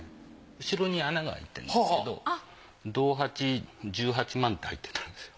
後ろに穴が開いてるんですけど「道八１８万」って入ってたんですよ。